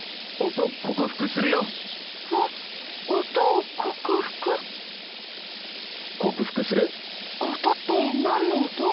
音って何の音？